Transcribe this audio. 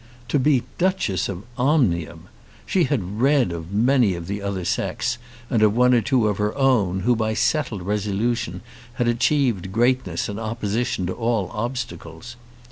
To be Duchess of Omnium! She had read of many of the other sex, and of one or two of her own, who by settled resolution had achieved greatness in opposition to all obstacles.